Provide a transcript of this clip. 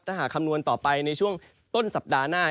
ถ้าหากคำนวณต่อไปในช่วงต้นสัปดาห์หน้า